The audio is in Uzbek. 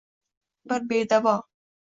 Bir bedavo